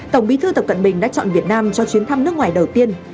tổng bí thư tập cận bình đã chọn việt nam cho chuyến thăm nước ngoài đầu tiên